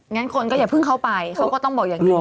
งั้นคนก็อย่าเพิ่งเข้าไปเขาก็ต้องบอกอย่างนี้